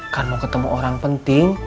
karena mau ketemu orang penting